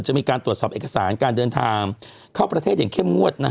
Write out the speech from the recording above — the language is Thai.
จะมีการตรวจสอบเอกสารการเดินทางเข้าประเทศอย่างเข้มงวด